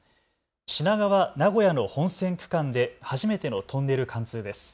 品川・名古屋の本線区間で初めてのトンネル貫通です。